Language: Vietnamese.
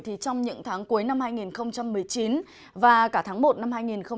trong những tháng cuối năm hai nghìn một mươi chín và cả tháng một năm hai nghìn hai mươi